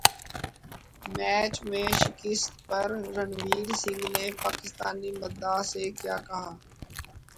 match میں شکست پر رنویر سنگھ نے پاکستانی مداح سے کیا کہا